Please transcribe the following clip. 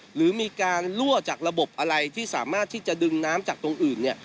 หรือมีการลั่วจากระบบอะไรที่สามารถที่จะดึงน้ำจากตรงอื่นเนี่ย